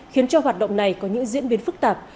khiến cho hoạt động này có những diễn biến phức tạp